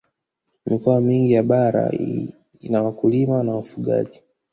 mikoa mingi ya bara ina wakulima na wafugaji